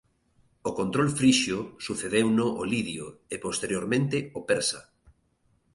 Ao control frixio sucedeuno o lidio e posteriormente o persa.